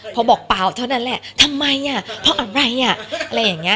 พอบอกเปล่าเท่านั้นแหละทำไมอ่ะเพราะอะไรอ่ะอะไรอย่างนี้